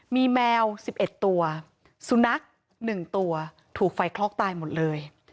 มีแมว๑๑ตัวสุนัข๑ตัวถูกไฟคลอกตายหมดเลย